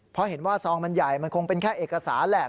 เพราะเห็นว่าซองมันใหญ่มันคงเป็นแค่เอกสารแหละ